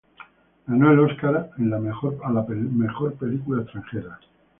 Ganó el Oscar en a la mejor película extranjera.